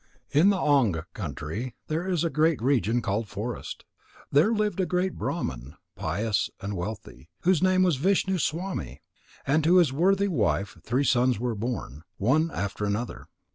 In the Anga country there is a great region called Forest. There lived a great Brahman, pious and wealthy, whose name was Vishnu swami. To his worthy wife three sons were born, one after another.